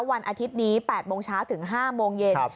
วันอาทิตย์นี้๘โมงเช้าถึง๕โมงเย็น